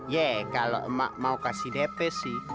ya kalau emak mau kasih depes sih